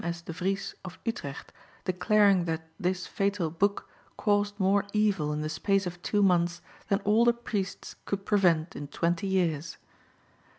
S. de Vries of Utrecht declaring that this fatal book caused more evil in the space of two months than all the priests could prevent in twenty years.